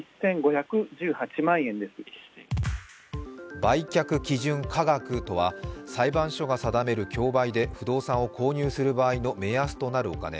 売却基準価額とは裁判所が定める競売で不動産を購入する場合の目安となるお金。